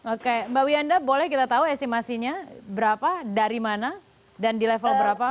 oke mbak wiyanda boleh kita tahu estimasinya berapa dari mana dan di level berapa